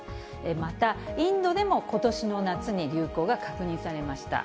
また、インドでもことしの夏に流行が確認されました。